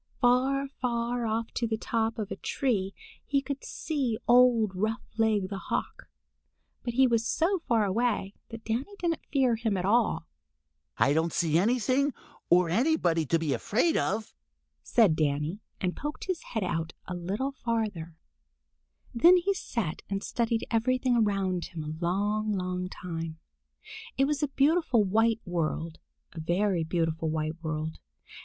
Far, far off on the top of a tree he could see old Roughleg the Hawk, but he was so far away that Danny didn't fear him at all. "I don't see anything or anybody to be afraid of," said Danny and poked his head out a little farther. Then he sat and studied everything around him a long, long time. It was a beautiful white world, a very beautiful white world.